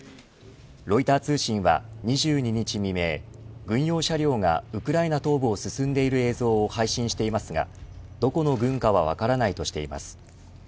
ロイター通信は２２日未明軍用車両がウクライナ東部を進んでいる映像を配信していますがどこの軍かは分からないとしています。